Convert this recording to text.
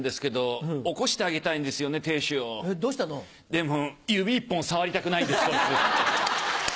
でも指一本触りたくないんですこいつ。